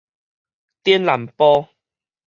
頂南埔